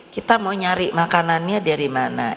kita mau nyari makanannya dari mana